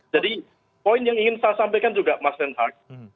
jadi poin yang ingin saya sampaikan juga mas nenak